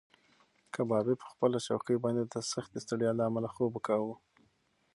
کبابي په خپله چوکۍ باندې د سختې ستړیا له امله خوب کاوه.